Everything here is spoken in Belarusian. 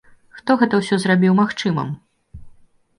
Хто гэта ўсё зрабіў магчымым?